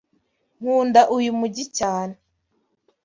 Nkunda uyu mujyi cyane.